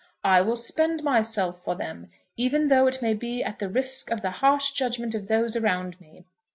I will spend myself for them, even though it may be at the risk of the harsh judgment of those around me.